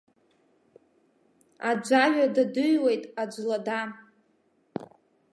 Аӡә аҩада дыҩуеит, аӡә лада.